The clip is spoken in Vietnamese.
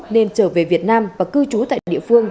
nên trở về việt nam và cư trú tại địa phương